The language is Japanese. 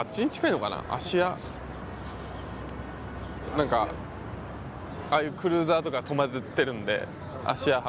何かああいうクルーザーとか止まってるんで芦屋浜。